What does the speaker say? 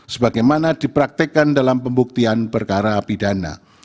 sebagaimana dipraktekkan dalam pembuktian perkara pidana